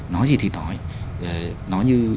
nói gì thì nói nói như